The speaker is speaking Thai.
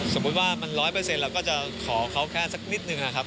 สมมุติว่ามัน๑๐๐เราก็จะขอเขาแค่สักนิดนึงนะครับ